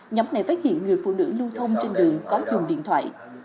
nhóm này phát hiện người phụ nữ lưu thông trên đường có dùng điện thoại